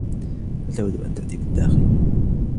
هل تود أن تأتي بالداخِل ؟